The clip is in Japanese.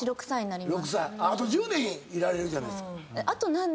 あと１０年いられるじゃないですか。